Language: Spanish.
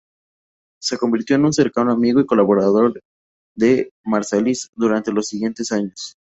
Se convirtió en un cercano amigo y colaborador de Marsalis durante los siguientes años.